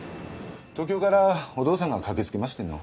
東京からお父さんが駆けつけましてね。